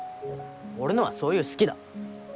俺のはそういう「好き」だ。